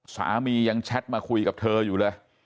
สามียังแชทมาคุยกับเธออยู่เลย